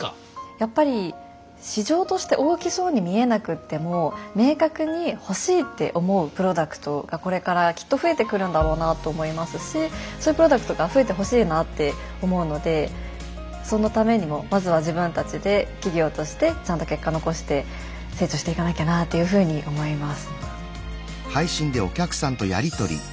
やっぱり市場として大きそうに見えなくっても明確に「欲しい」って思うプロダクトがこれからきっと増えてくるんだろうなと思いますしそういうプロダクトが増えてほしいなって思うのでそのためにもまずは自分たちで企業としてちゃんと結果残して成長していかなきゃなというふうに思います。